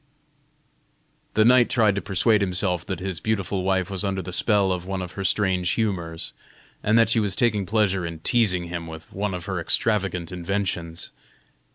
The knight tried to persuade himself that his beautiful wife was under the spell of one of her strange humors, and that she was taking pleasure in teasing him with one of her extravagant inventions.